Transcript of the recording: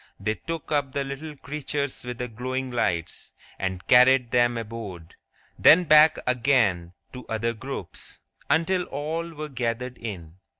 They took up the little creatures with the glowing lights, and carried them aboard; then back again to other groups, until all were gathered in.